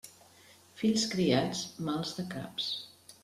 Fills criats, mals de caps.